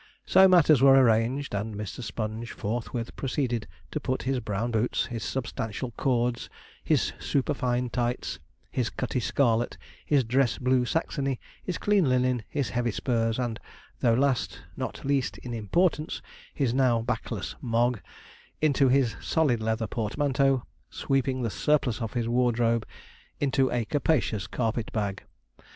So matters were arranged, and Mr. Sponge forthwith proceeded to put his brown boots, his substantial cords, his superfine tights, his cuttey scarlet, his dress blue saxony, his clean linen, his heavy spurs, and though last, not least in importance, his now backless Mogg, into his solid leather portmanteau, sweeping the surplus of his wardrobe into a capacious carpet bag.